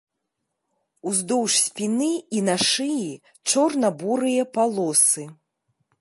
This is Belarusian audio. Уздоўж спіны і на шыі чорна-бурыя палосы.